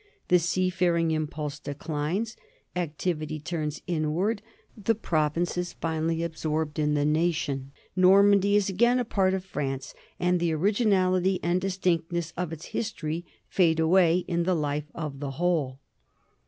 The sea faring impulse declines; activity turns inward; the province is finally absorbed in the nation; Normandy is again a part of France, and the originality and dis tinctness of its history fade away in the life of the whole.